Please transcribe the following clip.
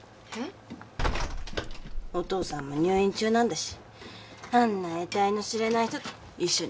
お父さんも入院中なんだしあんなえたいの知れない人と一緒に暮らすなんてさ。